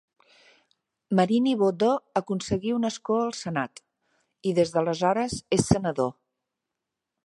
Marini Bodho aconseguí un escó al senat i, des d'aleshores, és senador.